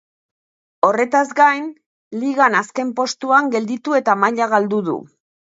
Horretaz gain, Ligan azken postuan gelditu eta maila galdu du.